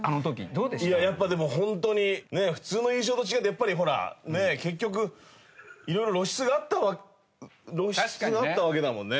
やっぱでもホントにね普通の優勝と違ってやっぱりほらねえ結局色々露出があった露出があったわけだもんね。